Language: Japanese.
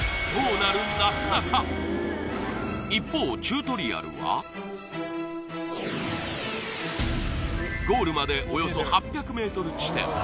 なすなか一方チュートリアルはゴールまでおよそ８００ｍ地点